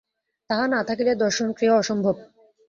তাহা না থাকিলে দর্শনক্রিয়া অসম্ভব।